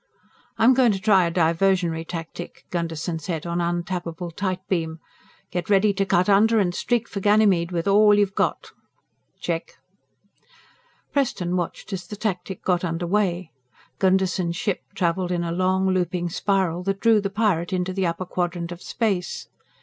"I'm going to try a diversionary tactic," Gunderson said on untappable tight beam. "Get ready to cut under and streak for Ganymede with all you got." "Check." Preston watched as the tactic got under way. Gunderson's ship traveled in a long, looping spiral that drew the pirate into the upper quadrant of space.